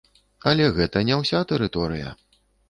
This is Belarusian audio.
Але гэта не ўся тэрыторыя.